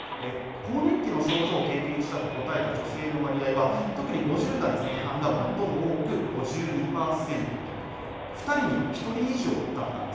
更年期の症状を経験したと答えた女性の割合は、特に５０代前半が最も多く５２％と、２人に１人以上だったんです。